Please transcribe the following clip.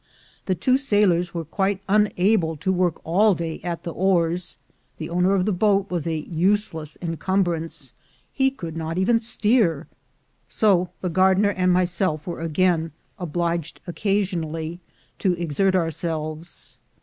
The two sailors were quite unable to work all day at the oars; the owner of the boat was a useless encumbrance; he could not even steer; so the gardener and myself were again obliged occasionally to exert ourselves.